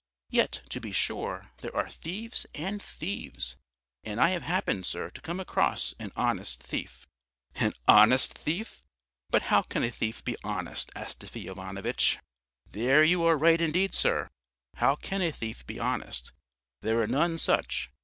Yet, to be sure, there are thieves and thieves. And I have happened, sir, to come across an honest thief." "An honest thief? But how can a thief be honest, Astafy Ivanovitch?" "There you are right indeed, sir. How can a thief be honest? There are none such.